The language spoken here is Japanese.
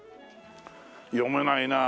読めないなあ。